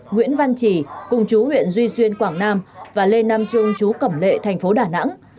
nguyễn văn trì cùng chú huyện duy xuyên quảng nam và lê nam trung chú cẩm lệ thành phố đà nẵng